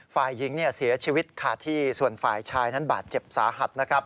ฝ่ายหญิงเสียชีวิตคาที่ฝ่ายชายบาดเจ็บสาหัด